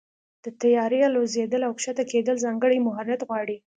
د طیارې الوزېدل او کښته کېدل ځانګړی مهارت غواړي.